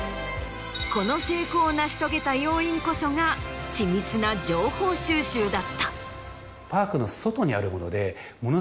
この成功を成し遂げた要因こそが緻密な情報収集だった。